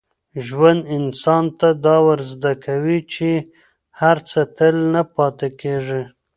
ژوند انسان ته دا ور زده کوي چي هر څه تل نه پاتې کېږي.